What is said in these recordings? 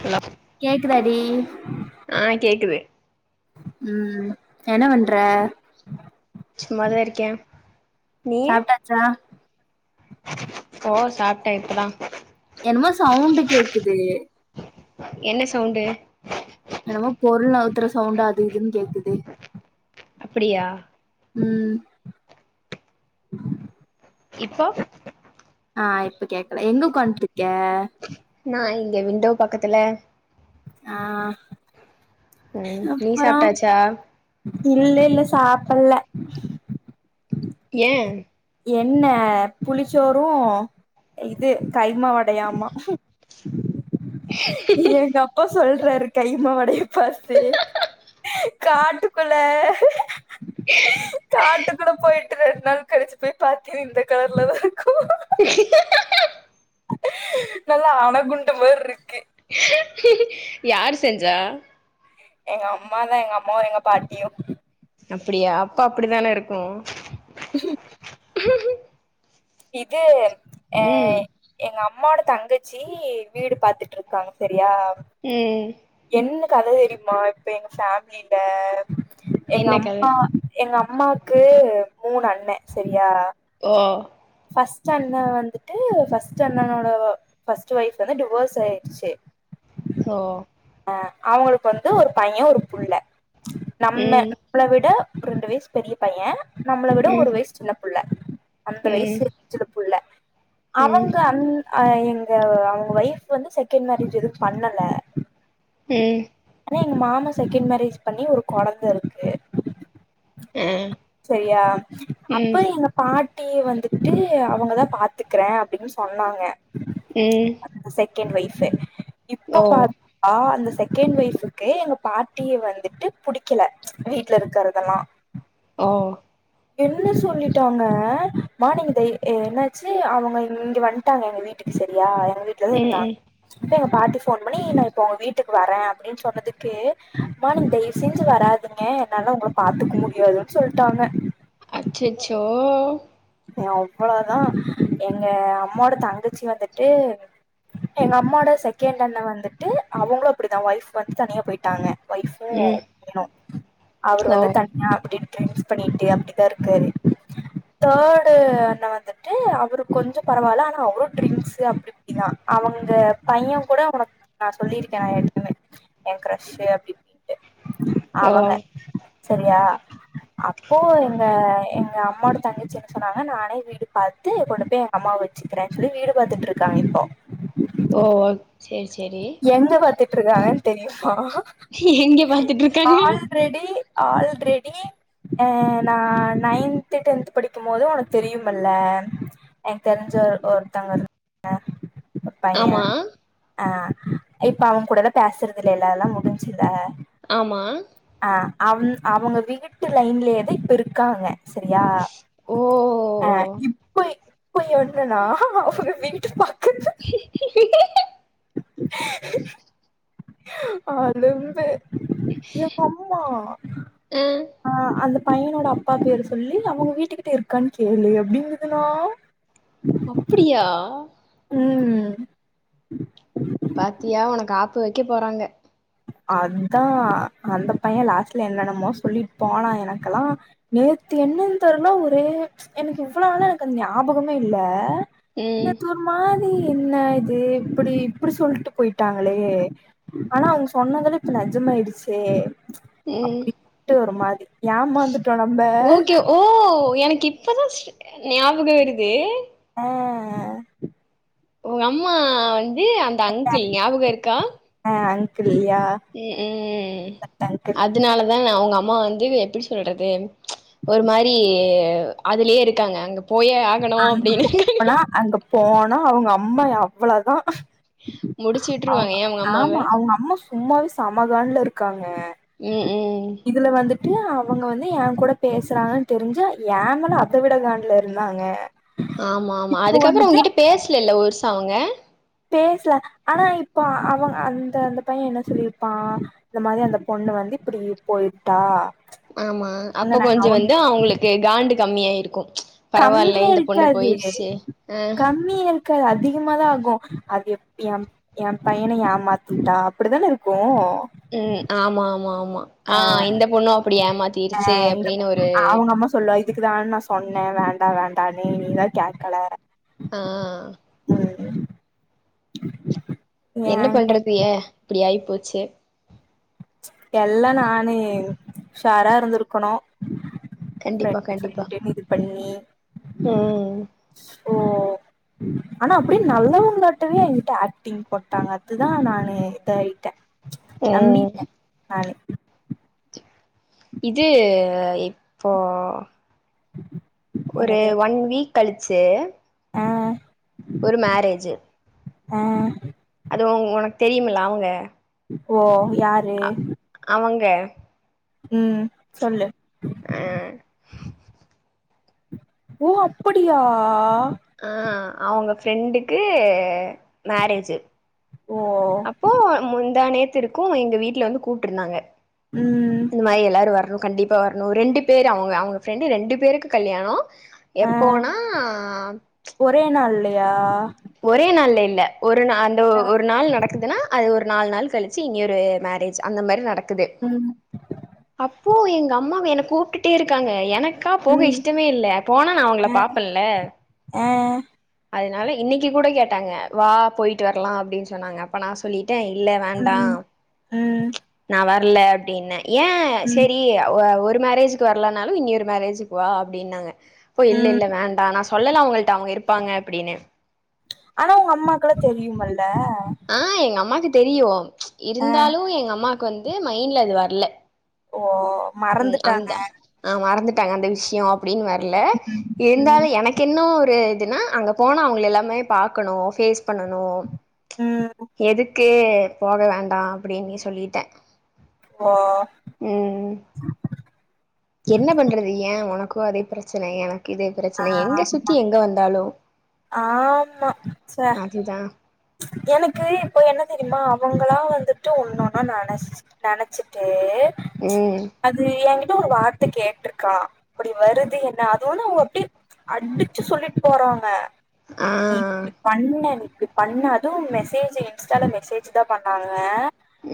Hello கேக்குதா இப் டி ஆ கேக்குது உம் என்ன பண்ற சும்மாதா இருக்கே நீயி சாப்டாச்சா ஓ சாப்ட்டே இப்பதா என்னமோ சவுண்டு கேக்குது என்ன சவுண்டு என்னமொ பொருள் நவுத்துற சவுண்டு அது இதுன் கேக்குது அப்டியா ம் இப்போ ஆ இப்ப கேக்கல எங்க உக்காண்ட்ருக்க நா இங்க விண்டோ பக்கத்துல ஆ ம் நீ அப்பறோ சாப்ட்டாச்சா இல்லெல்ல சாப்புட்ல்ல ஏ என்ன புளிச்சோறு இது கைமா வடையாமா எங்கப்பா சொல் றாரு கைமா வடைய பாத்து காட்டுக்குள்ள காட்டுக்குள்ள போய் ரெண் நாள் கழிச்சு போய் பாத்த இந்த கலர்ல தா இருக்கு நல்லா அணகுண்டு மா மார்ருக்கு யாரு செஞ்சா எங்க அம்மாதா எங்க அம்மாவு எங்க பாட்டியு அப்புடியா அப்ப அப்புடிதானெ இருக்கு இதே ஏ ம் எங்கம் அம்மோட தங்கச்சி வீடு பாத்துட்ருக்காங்க பெ ப்ரியா ம் என்ன கத தெரியுமா இப்ப எங்க ஃபேமிலில என்ன கத எங்கம்மா எங்கம் அம்மாக்கு மூணு அண்ண சரியா ஓ ஃபஸ்ட் அண்ண வந்துட்டு ஃபர்ஸ்ட் அண்ணனோட ஃபஸ்ட் ஒய்ப் வந்து டிவோர்ஸ் ஆயிடுச்சு சோ அ அவங்களுக்கு வந்து ஒரு பைய ஒரு புள்ள நம்ம ம் நம்மள விட ஒரு ரெண்டு வயசு பெரிய பைய நம்மள விட ம் ஒரு வயசு சின்ன புள்ள அந்த ம் வயசு சின்ன புள்ள ம் அவங்க அந் அ எங்க அவங்க ஒய்ஃப் வந்து செகண்ட் மேரேஜ் எதும் பண்ணல ம் ஆனா எங்க மாமா செகண்ட் மேரேஜ் பண்ணி ஒரு கொழந்த இருக்கு ஆ சரியா அப்ப ம் எங்க பா ட்டி வந்துட்டு அவங்கதா பாத்துக்குறே அப்டின்னு சொன்னாங்க ம் க்கன்ட் ஒய்ஃபு இப்ப ஓ பா ஆ அந்த செகண்ட் ஒய்ஃபுக்கு எங்க பாட்டிய வந்துட்டு புடிக்கல வீட்ல இருக்கறதல்லாம் ஓ என்ன சொல்லிட்டாங்க மானிங் இத என்னாச்சு அவங்க இங்க வன்டாங்க எங்க வீட்டுக்கு சரியா வீட்டு்லாதா ம் ம் இருந்தாங்க அப்ப எங்க பாட்டி போன் பண்ணி இப்போ உங்க வீட்டுக்கு வரே அப்டின்னு சொன்னதுக்கு அம்மா நீங்க தயவு செஞ்சு வராதீங்க என்னால உங்க பாத்துக்க முடியாதுன் சொல்ட்டாங்க ம் அவ்ளோதா எங்க அம்மோட தங்கச்சி வந்துட்டு எங்க அம்மோட செகண்ட் அண்ண வந்துட்டு அவங்களும் அப்படிதா ஒய்ஃப் வந்து தனியா போயிட்டாங்க ஒய்ஃபும் ம் பையனு அவர் ஓ வந்து தனியா அப்டின் டிரிங்க்ஸ் பண்ணிட்டு அப்டிதா இருக்காரு தேர்டு அண்ண வந்துட்டு அவரு கொஞ்சொ பரவால்ல ஆனா அவரும் ட்ரிங்க்ஸ்ஸு அப்டி இப்டிதா அவங்க பைய கூட உனக்கு நா சொல்லிருக்க நா எற்கனே ஏ க்ரஷ்ஷு அப்டி இப்டின்ட்டு ஓ அவங்க சரியா அப்போ எங்க எங்க ம்மாடே தங்க ச சொன்னாங்க நானே வீடு பாத்து கொண்டு போய் எங்க அம்மாவ வச்சுக்கிறேன்னு சொல்லி வீடு பாத்துட்ருக்காங்க இப்போ ஓ சேரி சேரி விட்ருகாங்க தெரியுமா எங்க பாத்துட்ருக்காங்க ஆல்ரெடி ஆல்ரெடி நா நைன்த்து டென்த்து படிக்கும் போது உனக்கு தெரியுமல்ல எனக்கு தெரிஞ்ச ஒருத்தங்க இருக்காங்க பைய ஆமா அ இப்ப அவன் கூடல்ல பேசுறது இல்ல எல்லாம் முடிஞ்சில ஆமா அவுன் அவங்க வீட்டு லயன்லேயே தா இப்ப இருக்காங்க சரியா ஓ அ ஓ இப்போய் போய் ஒன்னுனா அவங்க வீட்டு பா அளும்பு எங்கம்மா ஆ அந்தப் பையனோட அப்பா பேரு சொல்லி அவங்க வீட்டுக்கிட்ட இருக்கா கேலு எப்டிங்துனா அப்டியா உம் ம் பாத்தியா உனக்கு ஆப்பு வைக்க போறாங்க அதுதா அந்த பைய லாஸ்ட்ல என்னனமோ சொல்ட்டு போனா எனக்கெல்லா நேத்து என்னன்னு தெர்ல ஒரே எனக்கு இவ்வோள நால எனக்கு அந் ஞாபகமே இல்ல ம் நேத்து ஒரு மாறி என்ன இது இப்டி இப்டி சொல்ட்டு போயிட்டாங்களே ஆனா அவ்ங்ஸ் சொன்னதடு இப்ப நஜம ஆயிடுச்சே ம் அப்டி ட்டு ஒரு மாரி ஏமாந்துட்டோ நம்ப கிப்பதா ஸ் ஞாபக வருது அஹ் உங் அம்மான் இ அந்த அங்கிள் ஞாவகோ இருக்கா ஆ அங்கிள்யா ம் உம் அங்கிள் அதனாலதா அவ்ங்க அம் அம்மா வந்து எப்டி சொல்றது ஒரு மாறி அதுலயே இருக்காங்க அங்கப் போயே ஆகணு அங்க அப்டினாங்க போனா அங்க போனா அவங்க அம்மா அவ்ளதா முடிச்சு விட்டுருவாங்க அவ்ங்க ஏ அவங்க அம்மாவ ஆமா அவங்க அம்மா சும்மாவே சமகாண்டுல இருக்காங்க ம் ம் இதுல வந்து டியா அவங்க வந்து எய கூட பேசுறாங்கன்னு தெரிஞ்சே ஏமேல அதவிடகான்டடுல இருந்து வாங்க ஆமா ஆமா அதுக்கப்ரோ உங்கிட்ட பேஸ்சல ஒருஸ் அவங்க பேசல ஆனா இப்ப அவங்க அந்த அந்த பைய என்ன சொல்லியிருப்பா இந்த மாறி அந்த பொண்ணு வந்து இப்டி போயிட்டா ஆமா அப்ப அவங்க கொஞ்ச அவங்க வந்து அவங்களுக்கு காண்டு கம்மியாயிருக்கோ கம்மியா இருக்காது ஆ கம்மியா இருக்காது அது அதிகமதா ஆகு அது எ எ பையன ஏமாத்திட்டா அப்டித்தானே இருக்கு ம் ஆமா ஆமா ஆமா ஆஹ் இந்த பொண்ணு அப்டி ஆ ஏமாத்திருச்சு இந்த அப்டின்னு ஒரு என்ன வேண்டா வேண்டானு நீதா கேக்கல ஆ உம் என்ன ஏங்க பண்றது ஏ இப்படி ஆய் போச்சு எல்லா நானு உஷாரா இருந்திருக்கணு பிரென்ட்டா சொல்ட்டேனு இது பண்ணி [inaudible] உஹ்ம் ஓ ஆனா அப்படியே நல்லவங்கங்களட்டவே எங்கிட்ட ஆக்டிங் போட்டாங்க அதுதா நானு இதா ஆயிட்டே ம் நானு இது இப்போ ம் ஒரு ஒன் வீக் கழிச்சு ஆ ஒரு மேரேஜ் ஆ அது உனக்கு தெரியமல்ல அவங்க ஓ யாரு அ அவங்க ம் சொல்லு ஆ [inaudible] ஓ அப்படியா ஆ அவங்க ஃப்ரெண்டுக்கு மேரேஜ் ஓ அப்போ முந்தாநேத் த்து இருக்கும் எங்க வீட்டுல வந்து கூப்ட்டு இருந்தாங்க ம் இந்த மாரி எல்லாரும் வரணும் கண்டிப்பாக வரணும் ரெண்டு பேர் அவங்க அவங்க ஃப்ரெண்டு ரெண்டு பேருக்கு கல்யாணம் ஆ எப்போனா யா ஒரே நாள்ல இல்ல ஒரு நா அந்த ஒரு நாள் நடக்குதுன்னா அது ஒரு நாலு நாள் கழிச்சு இங்கய ஒரு மேரேஜ் அந்த மாரி நட ம் இப்போ எங்க அம்மாவ என்ன கூப்ட்டுட்டே இருக்காங்க எனக்கு க்கா போக ம் இஷ்டமே இல்ல போனா நா அவங்கள அ பாப்பன்ல ஆ அத னால இன்னைக்கி கூட கேட்டாங்க வா போயிட்டு வரலாம் அப்டின்னு சொன்னாங்க அப்ப நா சொல்லி ட்டே இல்ல வேண்டாம் ம் ம் நா வர இல்ல அப்டின்னு ஏன் ம் சேரி ஒ ஒரு மேரேஜுக்கு வரலானாலும் இன்னியொரு மேரேஜுக்கு வா அப்டின்னாங்க போ இல்ல ம் இல்ல வேண்டா நா சொ சொல்லல அவங்கள்ட்ட அவங்க இருப்பாங்க அப்படின்னு ஆனா உங்க அம்மாக்குலாம் தெரியுமல்ல. ஆஹ் எங்க அம்மாக்கு தெரியு ஆ இருந்தாலு எங்கம்மா கு வந்து மைண்ட்ல அது வரல ஓஹ் உம் அந்தா ஆஹ் மறந்து தகந்த விஷ்யோ அப்டின்னு வர்ல ம் ம் இருந்தாலு எனக்கு இன்னு ஒரு நா அங்க போனா அவங்கள எல்லாமே பாக்கணு பேஸ் பண்ணணு ம் எதுக்கு அப்டியே போக வேண்டா அப்படின்னே சொல்லிட்ட ஓ என்ன பண்றது ஏ உனக்கு அதே பிரச்சனை எனக் இதே பிரச்சனை எங்க சுத்தி எங்க வந்தாலு ஆம்மா ச அதுதா எனக்கு இப்போ என்ன தெரியுமா அவங்களா வந்துட்டு ஒன்னொன்னு நனைச்சு நனைச்சிட்டு டு ம் அது ஏங்க ஒரு வார்த்தை கேட்டிருக்கா அப்படி வருது என்ன அதுவுன்னே அப்டே அடிச்சு சொல்ட்டு போறாங்க ஆ நீ இப்டி பண்ண இப்டி பண்ண அதுவு மெசேஜ் இன்ஸ்டால மெசேஜ் தா பண்ணாங்க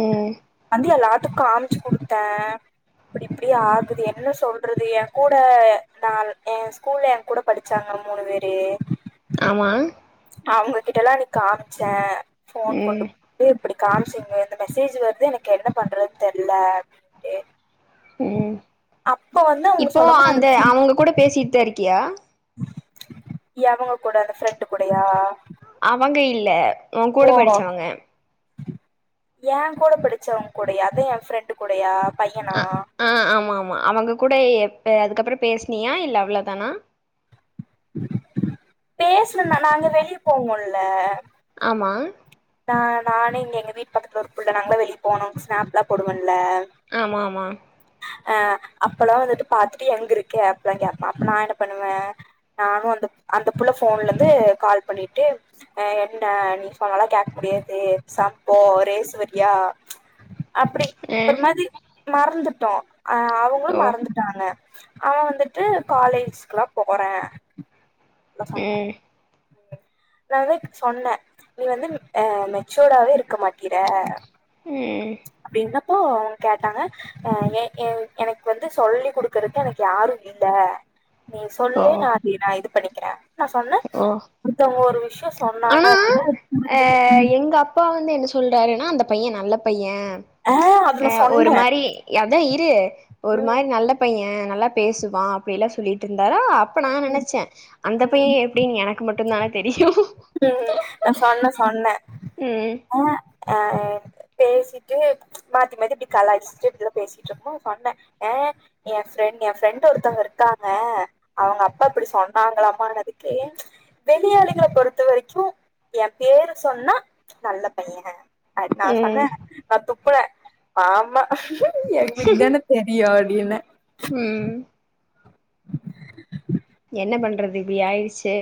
ம் வந்தியா லா பத்து காமிச்சு குடுத்த அப்டி இப்டி ஆகுது என்ன சொல்றது ஏ கூட நா ஏ ஸ்கூல்ல ஏ கூட படிச்சாங்க மூணு வேறு ஆமா அவங்க கிட்டலா அது காமிச்ச ஃபோன் கொண்டு ம் [unintelligible] இப்டி காம்சிங்க இந்த மெசேஜ் வருது எனக்கு என்ன பண்றதுன் தெர்ல அப்டின்ட் உம் இப்போ சொல்லவும் நாங்க அந்த சிரி அவ்ங்க கூட பேசிட்தா இருக்கியா எவங்க கூட அந்த ஃப்ரெண்டு கூடயா அவங்க இல்ல ஊங்கூட படிச்சவங்க ஏங் கூட படிச்சவங் கூடயா அதா ஏ ஃப்ரெண்டு் கூடயா பையனா அஹ் ஆஹ் ஆமா ஆமா அவங்கக்கூ கூட எப்ப அதுக்கப்பற பேஸ்னியா இல்ல அவ்ளோ தானா பேஸ்னனா நாங்க வெளிய போவோல ஆம்மா நா நானே இங்க எங்க வீட்டு பக்கத்துல ஒரு புள்ள நாங்களா வெளியே போனோம் ஸ்னாப்லா போடுவ ஆம்மாமா ஆ அப்போல்லா வந்துட்டு பாத்துட்டு எங்கிருக்க அப்பில்லா கேப்பான் அப்ப நா என்ன பண்ணுவே நானும் அந்தப் அந்த புள்ள ஃபோன்ல இந்து கால் பண்ணிட்டு ஆ ஏன்டா நீ சொன்னாலா கேக்க முடியாது சம்ப்போ ரேஸ்வரியா அப்டி அ ஒரு மாரி மறந்துட்டோம் அ அவ்ங்களும் ஓ மறந்துட்டாங்க அவன் வந்துட்டு காலேஜ்கிலா போறே ம் நா வந்து சொன்னே நீ வந்து மிக் ஆ மெச்சூடாவே இருக்க மாட்டிற ம் அப்போ அவ்ங்க கேட்டாங்க ஆ ஏ ஏ எனக் வந்து சொல்லிக்குடுக்கறது எனக்கு யாரும் இல்ல நீ ஓ சொல்லு நா அத நா இதுப் பண்ணிக்ற நா சொன்ன ஓ விஷ்யம் சொன்னாங்க ஆனா அப்டின்னா அது புரிஞ்சிக்கனு து என்னா சொல்றாருன்னா அந்த பையன் நல்ல பையன் ஆ அது அ நா ஒரு சொன்னே மாரி எம் த இரு ஒரு ம் மாரி நல்ல பையன் நல்லா பேசுவான் அப்டில்லா சொல்லிட்டு இருந்தாரா அப்ப நா நெனச்சே அந்த பையன் ம் எப்டின் எனக்கு மட் டுந்தான தெரியும் ம் நா சொன்ன சொன்ன ம் ஆ அ பேசிட்டு மாத்தி மாத்தி கலாச்சட்டு இப்டிதா பேசிட்டு றப்போ சொன்னே ஆ என் என் ஃப்ரெண்ட் ஒருத்தவங்க இருக்காங்க அவங்க அப்பா இப்படி சொன்னாங்களாமனதுக்கு வெளிய ஆளுகள பொறுத்து த்த வரைக்கும் என் பேரு சொன்னா நல்ல பையன் அது நா சொன்ன ம் நா துப்புன ஆமா எங்ளுக்குதான தெரியுனு அப்டினு ம் என்ன பண்றது இப்டி ஆயிடுச்சு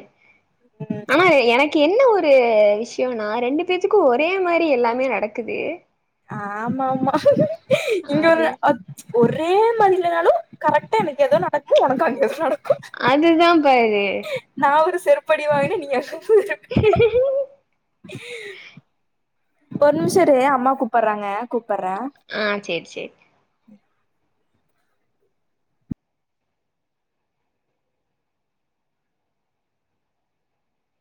ம் ஆனா எனக்கு என்ன ஒரு ஒரு விஷயம்னா ரெண்டு பேத்துக்கு ஒரே மாரி எல்லாமே நடக்குது ஆமாமா இங்க அது ஒன்னு அப்த் ஒரே மாரி இல்லைனாலு கரெக்டா எனக்கு எதோ நடக்கு உனக்கு அங்க நடக்கு எ நா ஒரு செருப்படி வாங்கின நீங்க ஒரு ஒரு நிமிஷ இரே அம்மா கூப்பறாங்க கூப் ஆஹ் சேர் சேரி